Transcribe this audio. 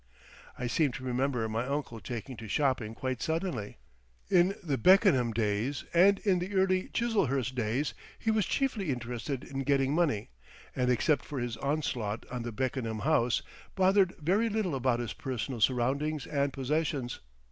I seem to remember my uncle taking to shopping quite suddenly. In the Beckenham days and in the early Chiselhurst days he was chiefly interested in getting money, and except for his onslaught on the Beckenham house, bothered very little about his personal surroundings and possessions.